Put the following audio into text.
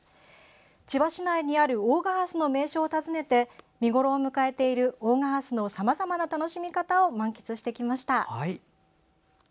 千葉市内にある大賀ハスの名所を訪ねて見頃を迎えている大賀ハスのさまざまな楽しみ方を満喫してきました。